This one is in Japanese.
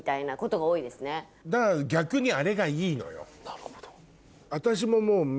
なるほど。